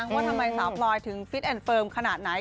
ว่าทำไมสาวพลอยถึงฟิตแอนดเฟิร์มขนาดไหน